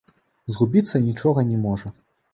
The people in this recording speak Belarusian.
Згубіцца нічога не можа.